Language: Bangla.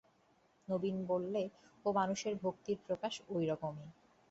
নবীন বললে, ও-মানুষের ভক্তির প্রকাশ ঐরকমই।